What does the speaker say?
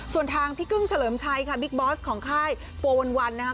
ส่วนทางพี่กึ้งเฉลิมชัยค่ะบิ๊กบอสของค่ายโปวันนะครับ